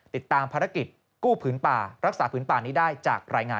ติดตามภารกิจกู้ผืนป่ารักษาผืนป่านี้ได้จากรายงาน